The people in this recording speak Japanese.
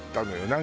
何？